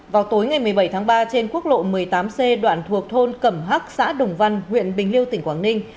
vào tối ngày một mươi bảy tháng ba trên quốc lộ một mươi tám c đoạn thuộc thôn cẩm hắc xã đồng văn huyện bình liêu tỉnh quảng ninh